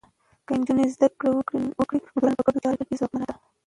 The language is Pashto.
که نجونې زده کړه وکړي، نو ټولنه په ګډو چارو کې ځواکمنه ده.